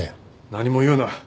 何も言うな。